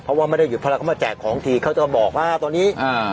เพราะว่าไม่ได้อยู่เพราะละเขามาแจกของทีเขาก็บอกว่าตอนนี้อ่า